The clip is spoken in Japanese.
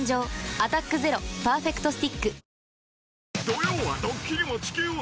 「アタックＺＥＲＯパーフェクトスティック」